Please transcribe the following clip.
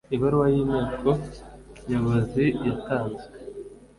ibaruwa y inteko nyobozi yatanzwe